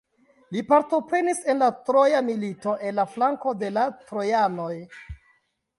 Li partoprenis en la Troja Milito en la flanko de la trojanoj.